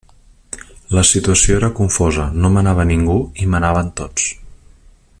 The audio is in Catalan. La situació era confosa, no manava ningú i manaven tots.